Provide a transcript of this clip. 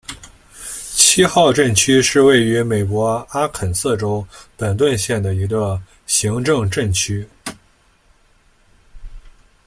七号镇区是位于美国阿肯色州本顿县的一个行政镇区。